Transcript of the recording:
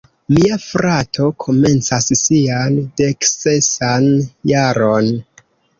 Mia frato komencas sian deksesan jaron.